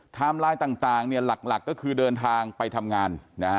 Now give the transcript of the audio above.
ไลน์ต่างหลักก็คือเดินทางไปทำงาน